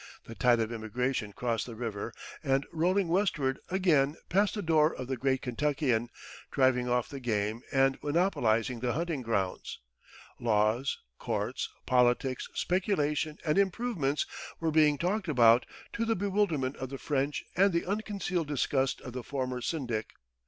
The tide of immigration crossed the river, and rolling westward again passed the door of the great Kentuckian, driving off the game and monopolizing the hunting grounds. Laws, courts, politics, speculation, and improvements were being talked about, to the bewilderment of the French and the unconcealed disgust of the former syndic.